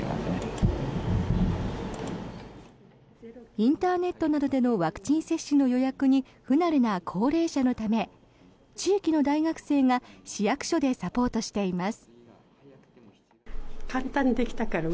インターネットなどでのワクチン接種の予約に不慣れな高齢者のため地域の大学生が市役所でサポートしています。